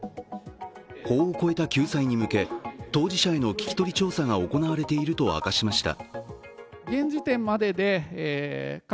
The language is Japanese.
法を超えた救済に向け、当事者への聞き取り調査が行われていると明かしました。